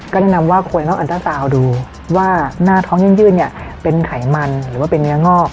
ก็แนะนำว่าควรนอกอันตราซาวดูว่าหน้าท้องยื่นเนี่ยเป็นไขมันหรือว่าเป็นเนื้องอก